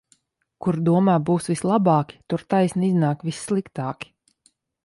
Kur domā būs vislabāki, tur taisni iznāk vissliktāki.